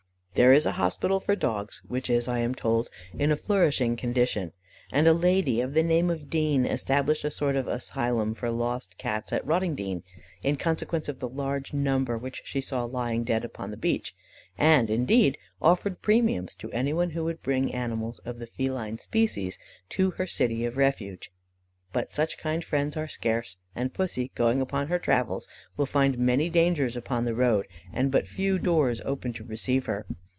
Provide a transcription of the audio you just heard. There is a hospital for dogs, which is, I am told, in a flourishing condition; and a lady of the name of Deen established a sort of asylum for lost Cats at Rottingdean, in consequence of the large number which she saw lying dead upon the beach, and, indeed, offered premiums to anyone who would bring animals of the feline species to her city of refuge. But such kind friends are scarce, and Pussy, going upon her travels, will find many dangers upon the road, and but few doors opened to receive her.